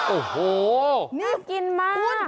โอ้โหนี่คุณน่ากินมาก